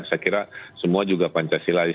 saya kira semua juga pancasila ya